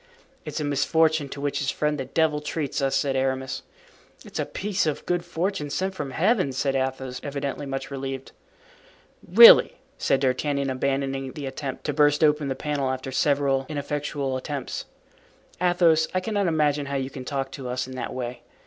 "It's a misfortune, to which his friend, the devil, treats us," said Aramis. "It's a piece of good fortune sent from Heaven," said Athos, evidently much relieved. "Really!" said D'Artagnan, abandoning the attempt to burst open the panel after several ineffectual attempts, "Athos, I cannot imagine how you can talk to us in that way.